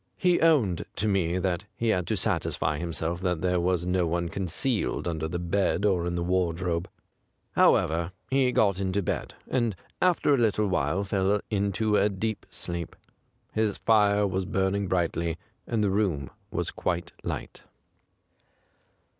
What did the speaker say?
He owned to me that he had to satisfy himself that there was no one concealed under the bed or in the Avardrobe. How ever, he got into bed, and after a little while fell into a deep sleep ; his fire was burning brightly, and the room was quite light.